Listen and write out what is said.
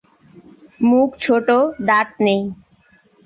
মুখ ছোট; দাঁত নেই।